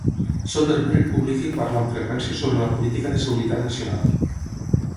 Soderberg publica i parla amb freqüència sobre la política de seguretat nacional.